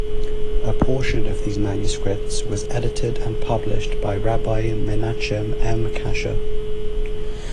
A portion of these manuscripts was edited and published by Rabbi Menachem M. Kasher.